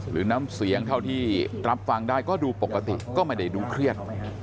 รับฟังได้ก็ดูปกติก็ไม่ได้ดูเครียด